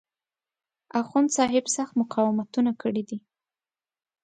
اخوندصاحب سخت مقاومتونه کړي دي.